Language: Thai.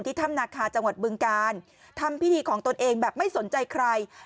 ถ้ำนาคาจังหวัดบึงการทำพิธีของตนเองแบบไม่สนใจใคร